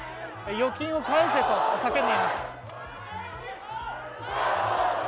預金を返せと叫んでいます。